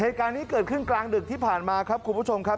เหตุการณ์นี้เกิดขึ้นกลางดึกที่ผ่านมาครับคุณผู้ชมครับ